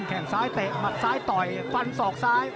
แข่งซ้ายเตะหมัดซ้ายต่อยฟันศอกซ้าย